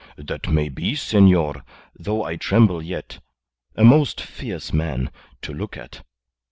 "That may be, senor, though I tremble yet. A most fierce man to look at.